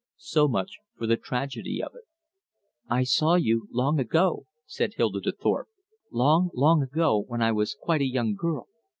So much for the tragedy of it. "I saw you long ago," said Hilda to Thorpe. "Long, long ago, when I was quite a young girl.